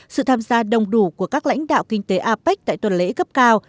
sự tham gia đông đủ của các lãnh đạo kinh tế apec tại tuần lễ cấp cao